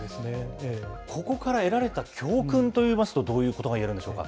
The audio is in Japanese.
ここから得られた教訓といいますと、どういうことが言えるんでしょうか。